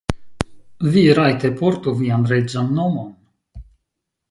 Vi rajte portu vian reĝan nomon.